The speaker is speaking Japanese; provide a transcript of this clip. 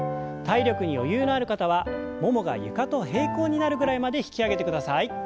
体力に余裕のある方はももが床と平行になるぐらいまで引き上げてください。